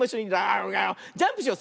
ジャンプしよう。